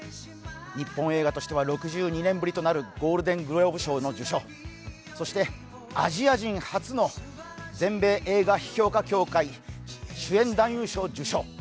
日本映画としては６２年ぶりとなるゴールデングローブ賞の受賞そしてアジア人初の全米映画批評家協会主演男優賞受賞